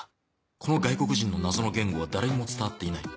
この外国人の謎の言語は誰にも伝わっていない